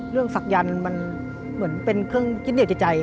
เรื่องศักดิ์ยันต์มันเหมือนเป็นเครื่องจิตเหนียวใจ